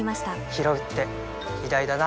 ひろうって偉大だな